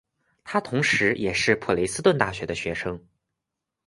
他同时也是普雷斯顿大学的学生。